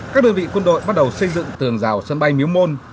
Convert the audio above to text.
các đơn vị quân đội bắt đầu xây dựng tường rào sân bay miếu môn